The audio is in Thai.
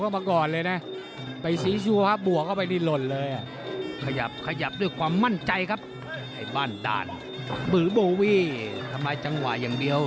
มือโบวี่ทำลายจังหวะอย่างเดียว